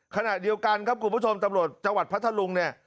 ขณะเดียวกันครับคุณผู้ชมตำรวจจังหวัดพัทธลุงเนี่ย